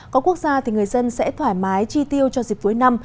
có quốc gia thì người dân sẽ thoải mái chi tiêu cho dịp cuối năm